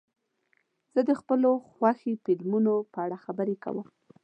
زه د خپلو خوښې فلمونو په اړه خبرې کوم.